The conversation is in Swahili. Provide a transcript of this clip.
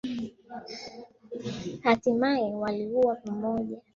Hatimaye waliuawa pamoja.